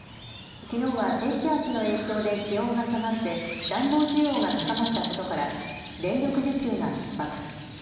きのうは低気圧の影響で気温が下がって暖房需要が高まったことから電力需給がひっ迫。